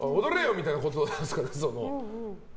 みたいなことなんですかね。